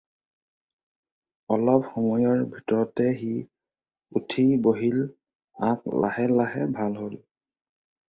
অলপ সময়ৰ ভিতৰতে সি উঠি বহিল আক লাহে লাহে ভাল হ'ল।